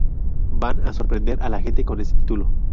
Van a sorprender a la gente con este título.